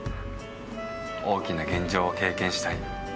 「大きな現場を経験したい」